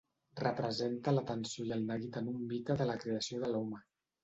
Representa l'atenció i el neguit en un mite de la creació de l'home.